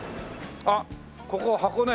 あっここ箱根。